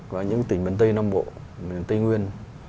và những tỉnh miền tây nam bộ miền tây nguyên